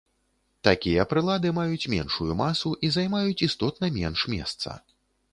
Такія прылады маюць меншую масу і займаюць істотна менш месца.